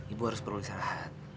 ibu harus perlu diserah